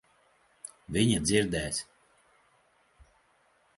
Viņa dzirdēs.